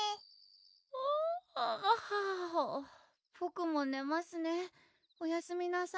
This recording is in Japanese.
ふわぁボクもねますねおやすみなさい